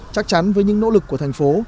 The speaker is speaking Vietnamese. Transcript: chắc chắn với những nỗ lực của thành phố